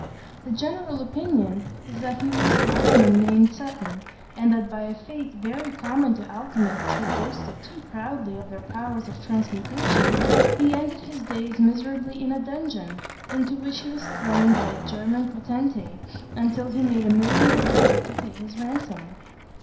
The general opinion is that he was a Scotsman named Seton, and that by a fate very common to alchymists who boasted too loudly of their powers of transmutation, he ended his days miserably in a dungeon, into which he was thrown by a German potentate until he made a million of gold to pay his ransom.